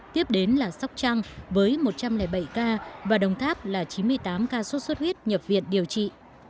tiếp đến là sóc trăng với một trăm linh bảy ca và đồng tháp là chín mươi tám ca sốt xuất huyết nhập viện điều trị